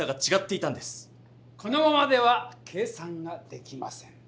このままでは計算ができません。